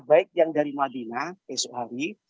baik yang dari madinah esok hari